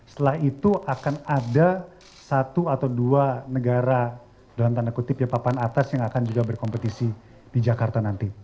setelah itu akan ada satu atau dua negara dalam tanda kutip ya papan atas yang akan juga berkompetisi di jakarta nanti